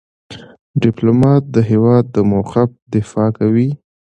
ډيپلومات د هېواد د موقف دفاع کوي.